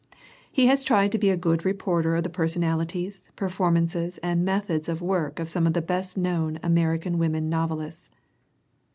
He has tried to be a good reporter of the personalities, performances and methods of work of some of the best known American women novelists.